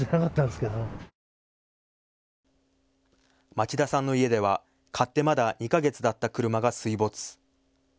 町田さんの家では買ってまだ２か月だった車が水没。